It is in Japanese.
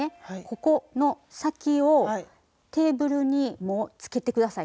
ここの先をテーブルにもうつけて下さい。